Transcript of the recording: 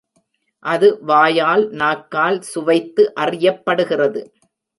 அது வாயால் நாக்கால் சுவைத்து அறியப்படுகிறது.